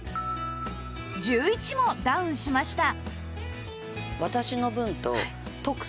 １１もダウンしました